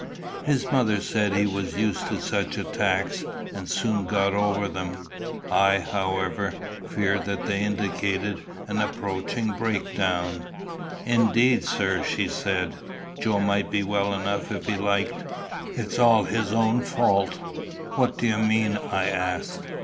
His mother said he was used to such attacks, and soon got over them. I, however, feared that they indicated an approaching break down. "Indeed, sir," she said, "Joe might be well enough if he liked. It's all his own fault." "What do you mean?" I asked.